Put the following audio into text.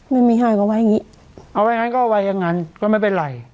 ไม่มีให้เขาว่าอย่างงี้เอาไว้งั้นก็ไว้อย่างนั้นก็ไม่เป็นไร